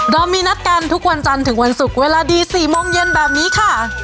มีนัดกันทุกวันจันทร์ถึงวันศุกร์เวลาดี๔โมงเย็นแบบนี้ค่ะ